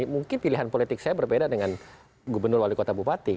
mungkin pilihan politik saya berbeda dengan gubernur wali kota bupati